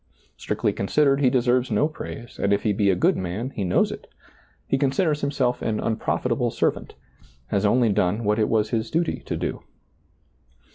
Strictly considered, he deserves no praise, and if he be a good man he knows it ; he considers himself an unprofitable servant; has only done what it was his duty to do.